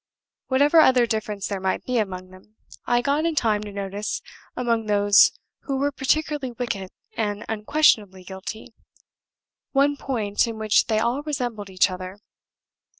Whatever other difference there might be among them, I got, in time, to notice, among those who were particularly wicked and unquestionably guilty, one point in which they all resembled each other.